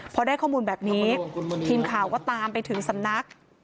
พอได้ข้อมูลแบบนี้ทีมข่าวก็ตามไปถึงสำนัก